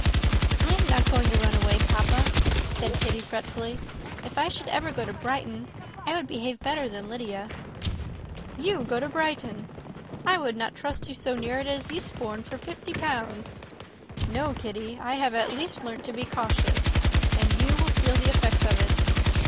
"I am not going to run away, papa," said Kitty, fretfully. "If I should ever go to Brighton, I would behave better than Lydia." "You go to Brighton! I would not trust you so near it as Eastbourne, for fifty pounds! No, Kitty, I have at least learnt to be cautious, and you will feel the effects of it.